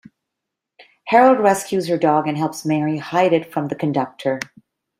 Harold rescues her dog and helps Mary hide it from the conductor.